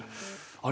あれ？